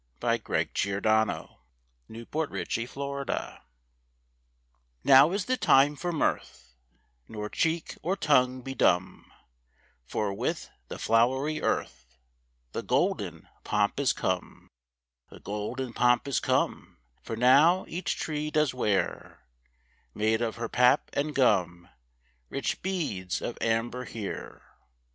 54. TO LIVE MERRILY, AND TO TRUST TO GOOD VERSES Now is the time for mirth; Nor cheek or tongue be dumb; For with [the] flowery earth The golden pomp is come. The golden pomp is come; For now each tree does wear, Made of her pap and gum, Rich beads of amber here.